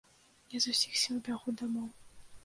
Я з усіх сіл бягу дамоў.